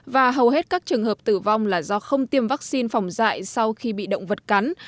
và hầu hết các trường hợp tử vong là do không tiêm vaccine phòng dạy sau khi bị động vật cắn